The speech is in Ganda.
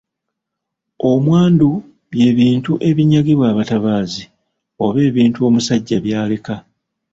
Omwandu bye bintu ebinyagibwa abatabaazi oba ebintu omusajja by’aleka.